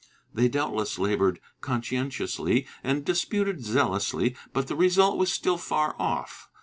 ^ They doubtless labored conscientiously and dis puted zealously, but the result was still far off.